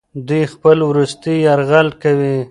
دوی خپل وروستی یرغل کوي.